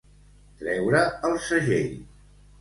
Treure el segell.